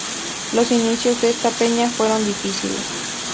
Los inicios de esta peña fueron difíciles.